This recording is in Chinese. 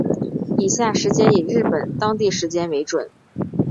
以下时间以日本当地时间为准